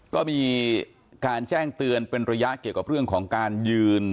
ก็มีการแจ้งเตือนเป็นระยะเกี่ยวกับเรื่องของการยืน